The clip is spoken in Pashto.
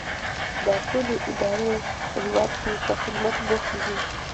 دا ټولې ادارې په هیواد کې په خدمت بوختې دي.